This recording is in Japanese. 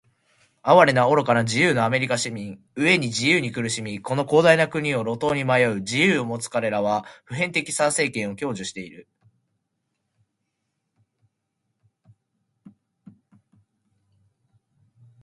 哀れな、愚かな、自由なアメリカ市民！飢えに「自由」に苦しみ、この広大な国を路頭に迷う「自由」を持つかれらは、普遍的参政権を享受している。